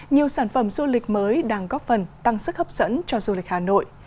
nhiều sản phẩm du lịch mới đang góp phần tăng sức hấp dẫn cho du lịch hà nội